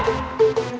oi jangan campur